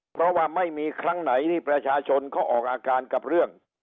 เพราะว่าไม่มีครั้งไหนที่ประชาชนเขาออกอาการกับเรื่อง